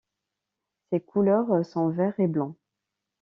Ses couleurs sont vert et blanc.